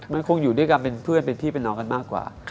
มันคงอยู่ด้วยกันเป็นเพื่อนเป็นพี่เป็นน้องกันมากกว่า